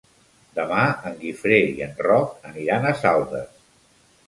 Demà en Guifré i en Roc aniran a Saldes.